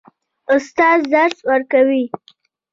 استاد درس ورکوي.